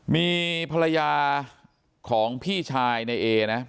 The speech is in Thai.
มีภรรยาของพี่ชายในเอนะ